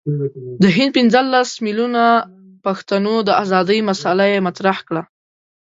د هند پنځه لس میلیونه پښتنو د آزادی مسله یې مطرح کړه.